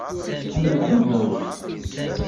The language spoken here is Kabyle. Ḥemmleɣ ibawen.